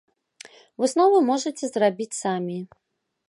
Высновы можаце зрабіць самі.